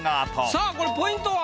さあこれポイントは？